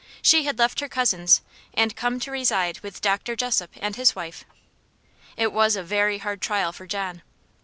She had left her cousin's, and come to reside with Dr. Jessop and his wife. It was a very hard trial for John.